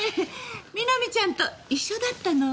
南ちゃんと一緒だったの？